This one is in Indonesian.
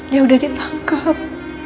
dia udah ditangkep